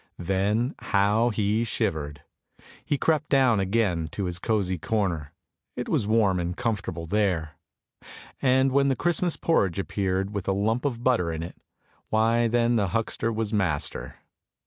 Then how he shivered! he crept down again to his cosy corner, it was warm and comfortable there! And when the Christmas porridge appeared with a lump of butter in it — why then the huckster was master.